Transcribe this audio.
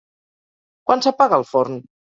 Quan s'apaga el forn?